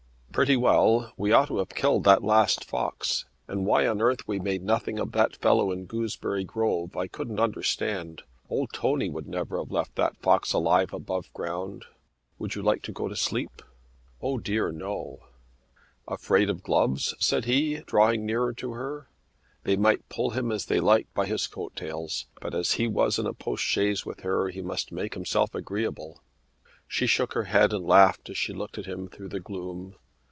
"Pretty well. We ought to have killed that last fox. And why on earth we made nothing of that fellow in Gooseberry Grove I couldn't understand. Old Tony would never have left that fox alive above ground. Would you like to go to sleep?" "O dear no." "Afraid of gloves?" said he, drawing nearer to her. They might pull him as they liked by his coat tails but as he was in a postchaise with her he must make himself agreeable. She shook her head and laughed as she looked at him through the gloom.